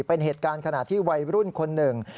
เป็นเหตุการณ์ขณะที่วัยรุ่นคนหนึ่ง